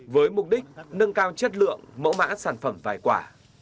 với mục đích nâng cao chất lượng mẫu mã sản phẩm vài quả